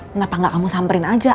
kenapa gak kamu samperin aja